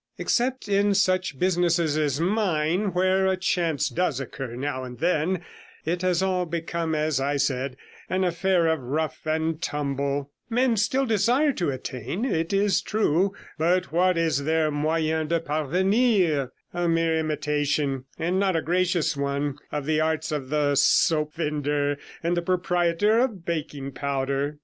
Except in such businesses as mine, where a chance does occur now and then, it has all become, as I said, an affair of rough and tumble; men still desire to attain, it is true, but what is their moyen de parvenirl A mere imitation — and not a gracious one — of the arts of the soap vendor and the proprietor of baking powder.